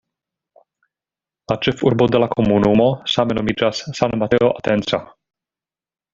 La ĉefurbo de la komunumo same nomiĝas "San Mateo Atenco".